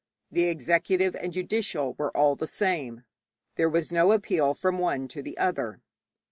The executive and judicial were all the same: there was no appeal from one to the other.